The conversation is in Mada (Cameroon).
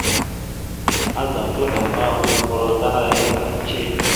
Azza kǝlakamba, ocǝkulvurro ngar a yam va ehindze.